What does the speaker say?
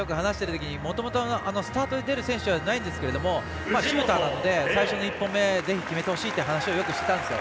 もともと、スタートで出てる選手ではないんですけどシューターなので最初の１本目はぜひ決めてほしいと話していたんですよ。